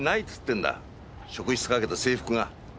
職質かけた制服が。